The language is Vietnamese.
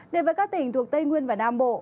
đến với các tỉnh thuộc tây nguyên và nam bộ